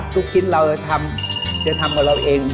ทุกทิศเราทำจริงใจทำของเราเอง